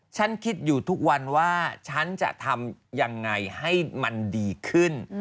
ฉันคิดอยู่ทุกวันว่าฉันจะทำยังไงให้มันดีขึ้น